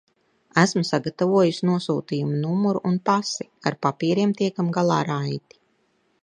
Esmu sagatavojusi nosūtījuma numuru un pasi, ar papīriem tiekam galā raiti.